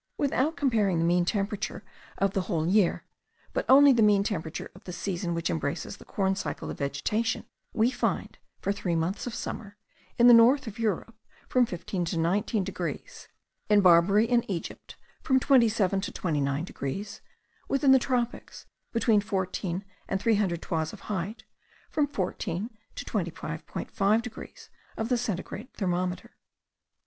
Without comparing the mean temperature of the whole year, but only the mean temperature of the season which embraces the corn cycle of vegetation, we find for three months of summer,* in the north of Europe, from 15 to 19 degrees; in Barbary and in Egypt, from 27 to 29 degrees; within the tropics, between fourteen and three hundred toises of height, from 14 to 25.5 degrees of the centigrade thermometer.